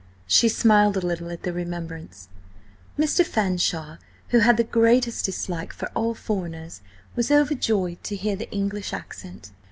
She smiled a little at the remembrance. "Mr. Fanshawe, who had the greatest dislike for all foreigners, was overjoyed to hear the English accent.